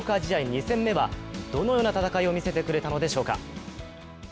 ２戦目はどのような戦いを見せてくれたのでしょうか。